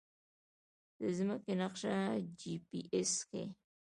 د ځمکې نقشه جی پي اس ښيي